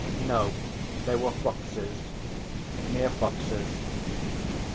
No, they were foxes mere foxes.